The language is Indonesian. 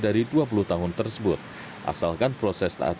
dari dua puluh tahun tersebut asalkan proses taat